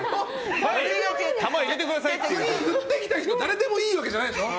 次言ってきた人誰でもいいわけじゃないでしょ？